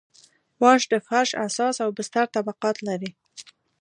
واش د فرش اساس او بستر طبقات لري